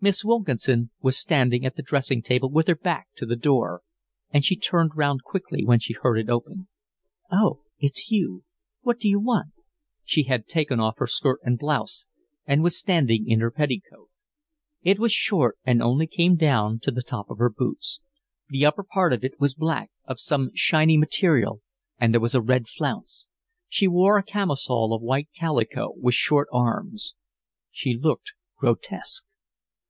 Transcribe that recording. Miss Wilkinson was standing at the dressing table with her back to the door, and she turned round quickly when she heard it open. "Oh, it's you. What d'you want?" She had taken off her skirt and blouse, and was standing in her petticoat. It was short and only came down to the top of her boots; the upper part of it was black, of some shiny material, and there was a red flounce. She wore a camisole of white calico with short arms. She looked grotesque.